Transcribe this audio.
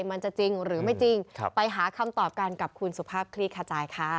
มันจะจริงหรือไม่จริงไปหาคำตอบกันกับคุณสุภาพคลี่ขจายค่ะ